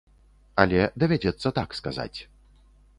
Але давядзецца так сказаць.